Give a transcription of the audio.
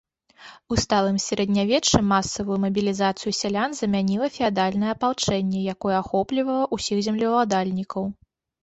У сталым сярэднявеччы масавую мабілізацыю сялян замяніла феадальнае апалчэнне, якое ахоплівала ўсіх землеўладальнікаў.